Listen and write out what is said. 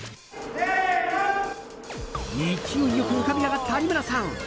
勢いよく浮かび上がった有村さん。